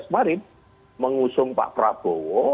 maret mengusung pak prabowo